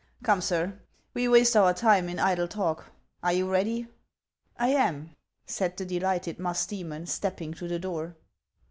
Come, sir, we waste our time in idle talk ; are you ready ?"" 1 am," said the delighted Musdcemon, stepping to the door.